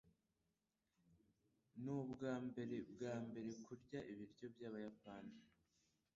Nubwambere bwambere kurya ibiryo byabayapani?